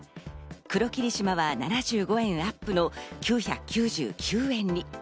黒霧島は７５円アップの９９９円に。